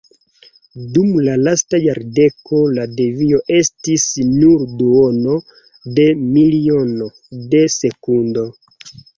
Dum la lasta jardeko la devio estis nur duono de milionono de sekundo.